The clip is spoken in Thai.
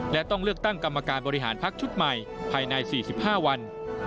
และต้องเลือกตั้งกรรมการบริหารพักชุดใหม่ภายใน๔๕วัน